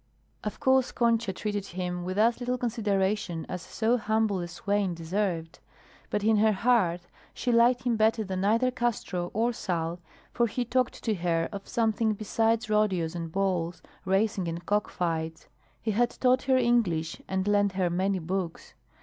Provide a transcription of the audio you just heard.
Of course Concha treated him with as little consideration as so humble a swain deserved; but in her heart she liked him better than either Castro or Sal, for he talked to her of something besides rodeos and balls, racing and cock fights; he had taught her English and lent her many books.